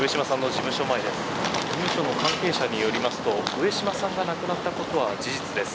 事務所の関係者によりますと上島さんが亡くなったことは事実です